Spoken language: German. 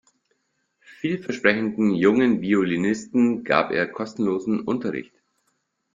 Vielversprechenden jungen Violinisten gab er kostenlosen Unterricht.